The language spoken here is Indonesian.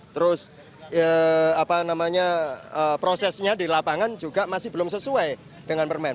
terus prosesnya di lapangan juga masih belum sesuai dengan permen